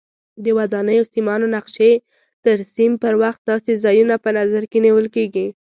د ودانیو سیمانو نقشې ترسیم پر وخت داسې ځایونه په نظر کې نیول کېږي.